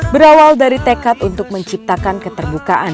berawal dari tekad untuk menciptakan keterbukaan